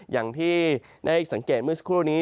อย่างที่ได้สังเกตเมื่อสักครู่นี้